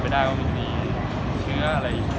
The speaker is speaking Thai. เพราะว่ามีเป็นมีเชื้ออะไรอยู่